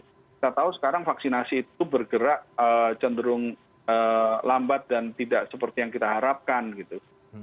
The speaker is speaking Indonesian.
kita tahu sekarang vaksinasi itu bergerak cenderung lambat dan tidak seperti yang kita harapkan gitu